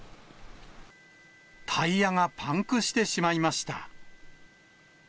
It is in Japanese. タイヤがパンクしてしまいました。